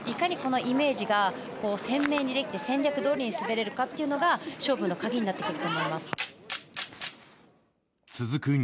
いかにイメージが鮮明にできて戦略どおりに滑れるかというのが勝負の鍵に続く